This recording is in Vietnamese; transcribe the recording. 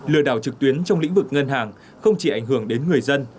lừa đảo trực tuyến trong lĩnh vực ngân hàng không chỉ ảnh hưởng đến người dân